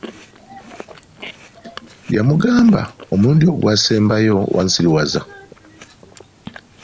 Yamugamba, omulundi ogwasembayo wansiriwaza!